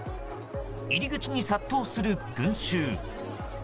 入り口に殺到する群衆。